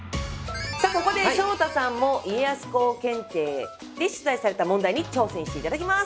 さあここで昇太さんも家康公検定で出題された問題に挑戦していただきます！